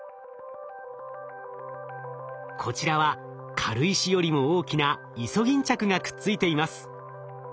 こちらは軽石よりも大きなイソギンチャクがくっついています。